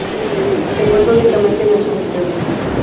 Se encuentra únicamente en el sureste de Brasil.